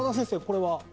これは。